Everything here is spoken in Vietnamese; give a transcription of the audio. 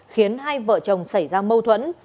khiến hai vợ chồng xảy ra mâu thuẫn